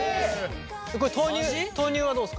これ豆乳豆乳はどうですか？